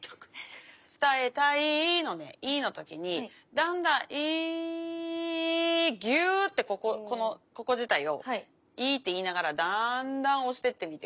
「つたえたい」の「い」の時にだんだんいギューッてこのここ自体をいって言いながらだんだん押してってみて下さい。